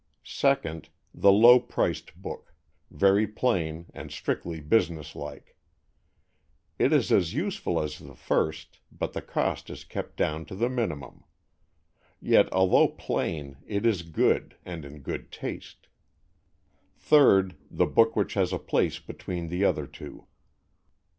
Second, the low priced book, very plain and strictly businesslike. It is as useful as the first, but the cost is kept down to the minimum. Yet, although plain, it is good, and in good taste. Third, the book which has a place between the other two.